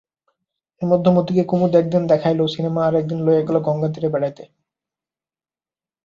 এর মধ্যে মতিকে কুমুদ একদিন দেখাইল সিনেমা আর একদিন লইয়া গেল গঙ্গাতীরে বেড়াইতে।